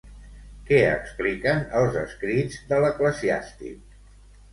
Què expliquen els escrits de l'eclesiàstic?